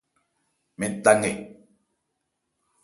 Mɛn ta nkɛ.